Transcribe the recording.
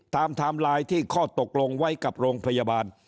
ไทม์ไลน์ที่ข้อตกลงไว้กับโรงพยาบาล